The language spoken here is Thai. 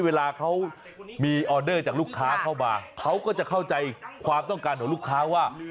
เวลาเขามีออเดอร์จากลูกค้าเข้ามาเขาก็จะเข้าใจความต้องการของลูกค้าว่า